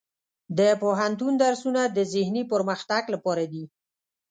د پوهنتون درسونه د ذهني پرمختګ لپاره دي.